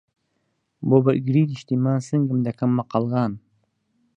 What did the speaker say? بۆ بەرگریی نیشتمان، سنگم دەکەم بە قەڵغان